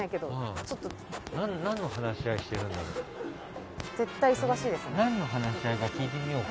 何の話し合いしてるんだろう。